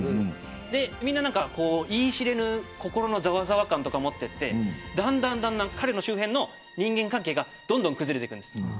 みんな言い知れぬ心のざわざわ感を持っていってだんだん彼の周辺の人間関係が崩れていくんです。